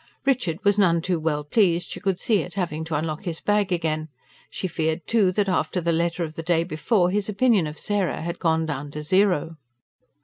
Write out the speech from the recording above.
Richard was none too well pleased, she could see, at having to unlock his bag again; she feared too, that, after the letter of the day before, his opinion of Sarah had gone down to zero.